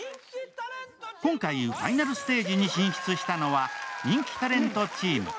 今回ファイナルステージに進出したのは、人気タレントチーム。